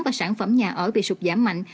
và sản phẩm nhà ở bị sụt giảm mạnh